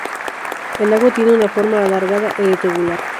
El lago tiene una forma alargada e irregular.